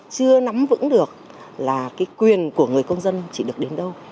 chưa nắm vững được là cái quyền của người công dân chỉ được đến đâu